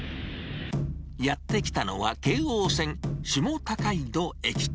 やって来たのは、京王線下高井戸